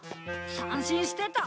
三振してた。